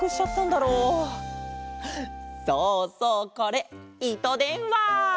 そうそうこれいとでんわ！